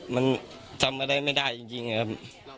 มันทำอะไรไม่ได้จริงนะครับ